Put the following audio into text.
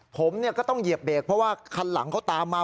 ผมก็ต้องเหยียบเบรกเพราะว่าคันหลังเขาตามมา